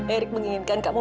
erik menginginkan kamu